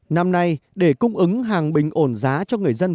năm nay để cung ứng hàng bình ổn giá cho người dân văn kiều